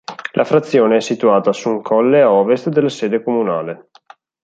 La frazione è situata su un colle a ovest della sede comunale.